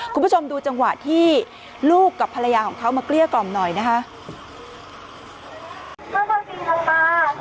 คุณผู้ชมดูจังหวะที่ลูกกับภรรยาของเขามาเกลี้ยกล่อมหน่อยนะคะ